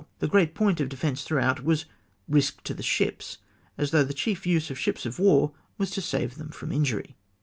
The great point of defence throughout was risk to the ships, as though the chief use of ships of war was to save them from injury.